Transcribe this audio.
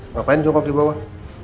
ngapain jongkok dibawah